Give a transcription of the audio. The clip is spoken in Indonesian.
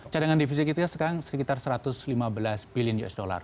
cadangan divisi kita sekarang sekitar satu ratus lima belas billion usd